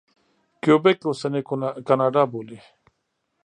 کیوبک اوسنۍ کاناډا بولي.